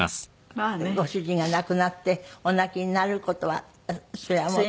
ご主人が亡くなってお泣きになる事はそりゃもう。